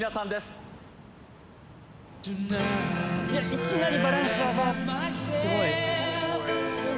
いきなりバランス技すごいです・